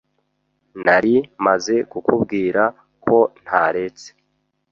Nari maze kukubwira ko ntaretse.